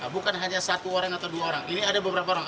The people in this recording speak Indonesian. bukan hanya satu orang atau dua orang ini ada beberapa orang